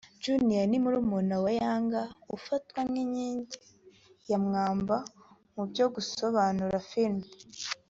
Junior ni murumuna wa Younger ufatwa nk’inkingi ya mwamba mu byo gusobanura filime